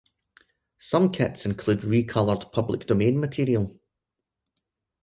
Some kits include re-colored public domain material.